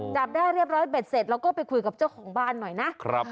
จับได้เรียบร้อยเบ็ดเสร็จเราก็ไปคุยกับเจ้าของบ้านหน่อยนะ